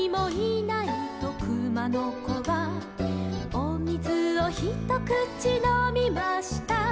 「おみずをひとくちのみました」